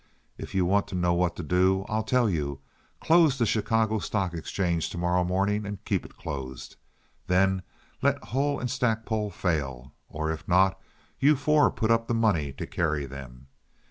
If you want to know what to do, I'll tell you—close the Chicago Stock Exchange to morrow morning and keep it closed. Then let Hull & Stackpole fail, or if not you four put up the money to carry them.